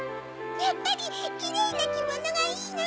やっぱりキレイなきものがいいな。